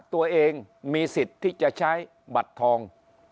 ตัวเองมีสิทธิ์ที่จะใช้บัตรทอง